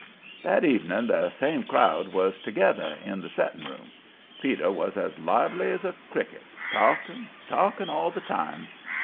That evening the same crowd was together in the setting room. Peter was as lively as a cricket, talking, talking, all the time.